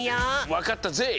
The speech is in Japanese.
わかったぜい！